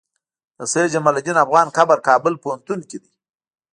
د سيد جمال الدين افغان قبر کابل پوهنتون کی دی